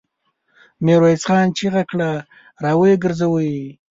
ميرويس خان چيغه کړه! را ويې ګرځوئ!